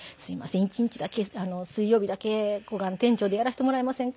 一日だけ水曜日だけ小雁店長でやらせてもらえませんか？」